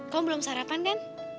kamu belum sarapan ken